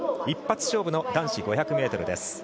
一発勝負の男子５００ｍです。